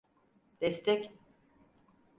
Destek.